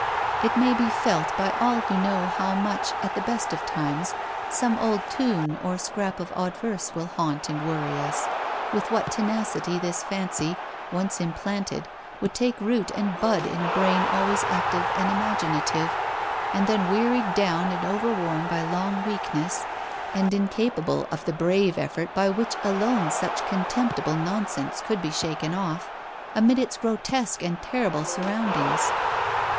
It may be felt by all who know how much, at the best of times, some old tune or scrap of odd verse will haunt and worry us, with what tenacity this fancy, once implanted, would take root and bud in a brain always active and imaginative, and then wearied and overworn by long weakness, and incapable of the brave effort by which alone such contemptible nonsense could be shaken off, amid its grotesque and terrible surroundings.